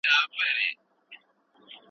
د بې وزلو خلګو برخه مه هېروئ.